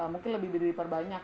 mungkin lebih diperbanyak